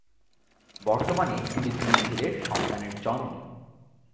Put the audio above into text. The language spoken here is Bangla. বর্তমানে তিনি দুই ছেলে সন্তানের জননী।